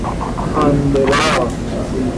کانبرا